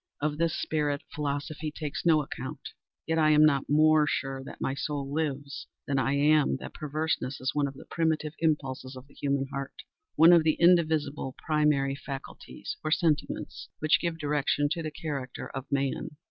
Of this spirit philosophy takes no account. Yet I am not more sure that my soul lives, than I am that perverseness is one of the primitive impulses of the human heart—one of the indivisible primary faculties, or sentiments, which give direction to the character of Man.